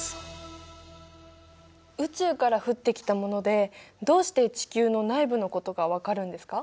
宇宙から降ってきたものでどうして地球の内部のことが分かるんですか？